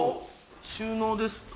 収納ですか？